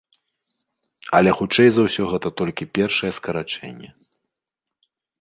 Але хутчэй за ўсе гэта толькі першае скарачэнне.